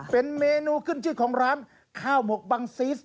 เป็นเมนูขึ้นชื่อของร้านข้าวหมกบังซีส